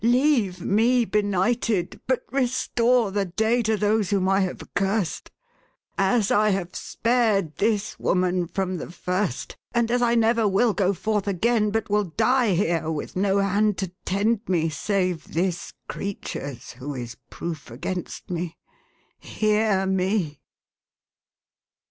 Leave me benighted, but restore the day to those whcm I have cursed. As I have spared this woman from the first, and as I never will go forth again, but will die here, with no hand to tend me, save this creature's who is pi oof against me, — hear me